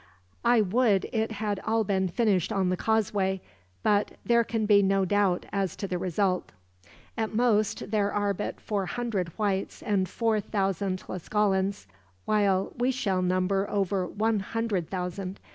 I would it had all been finished on the causeway, but there can be no doubt as to the result. "At most there are but four hundred Whites and four thousand Tlascalans, while we shall number over one hundred thousand.